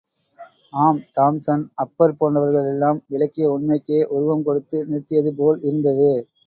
ஆம், தாம்ஸன், அப்பர் போன்றவர்கள் எல்லாம் விளக்கிய உண்மைக்கே உருவம் கொடுத்து நிறுத்தியது போல் இருந்தது.